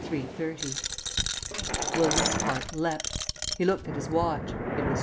_" William's heart leapt. He looked at his watch; it was 2.